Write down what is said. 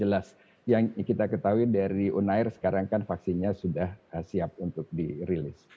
jelas yang kita ketahui dari unair sekarang kan vaksinnya sudah siap untuk dirilis